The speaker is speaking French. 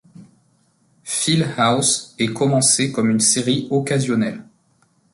Phil House est commencé comme une série occasionnelle.